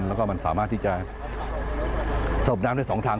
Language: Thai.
แล้วก็มันสามารถที่จะสบน้ำได้สองทาง